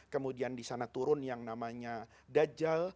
kemudian disana turun yang namanya dajjal